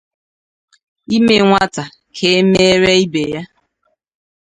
ime nwata ka e mere ibe ya